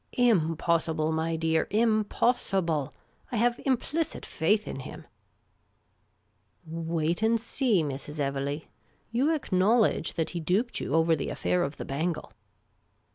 *' Impossible, my dear ! Im possible ! I have implicit faith in him !"" Wait and see, Mrs. Evelegh. You acknowledge that he duped you over the aifair of the bangle."